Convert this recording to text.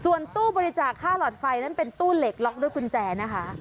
ส่วนตู้บริจาคค่าหลอดไฟนั้นเป็นตู้เหล็กล็อกด้วยกุญแจนะคะ